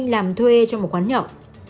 làm thuê cho một quán nhậu